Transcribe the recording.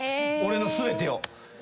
俺の全てを。